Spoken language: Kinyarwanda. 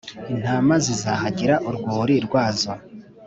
Intama zizahagira urwuri rwazo,